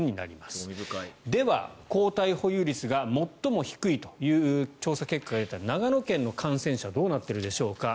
では、抗体保有率が最も低いという調査結果が出た長野県の感染者はどうなっているでしょうか。